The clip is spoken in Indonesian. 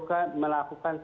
karena ada pola t vism